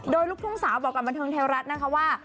โดยลูกทุ่งสาวบอกกับบันเทิงไทยรัฐนะคะว่า